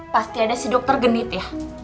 pasti ada si dokter genit ya